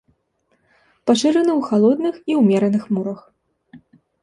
Пашыраны ў халодных і ўмераных морах.